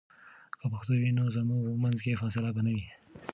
که پښتو وي، نو زموږ منځ کې فاصله به نه وي.